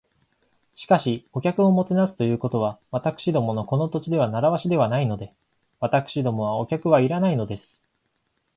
「しかし、お客をもてなすということは、私どものこの土地では慣わしではないので。私どもはお客はいらないのです」